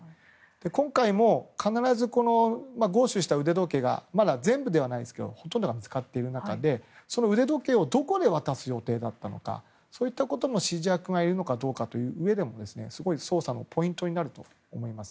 今回も、必ず強取した腕時計がまだ全部ではないですがほとんどが見つかっている中でその腕時計をどこで渡す予定だったのかといったことも指示役がいるのかどうかといううえでも捜査のポイントになるところだと思います。